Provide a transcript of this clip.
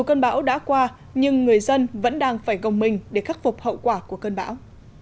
cơn bão đã qua nhưng người dân vẫn đang phải gồng mình để khắc phục hậu quả của cơn bão